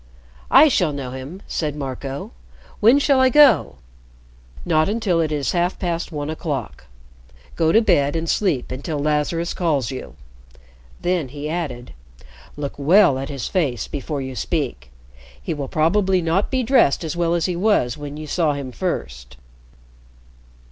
"I shall know him," said Marco. "When shall I go?" "Not until it is half past one o'clock. Go to bed and sleep until Lazarus calls you." Then he added, "Look well at his face before you speak. He will probably not be dressed as well as he was when you saw him first."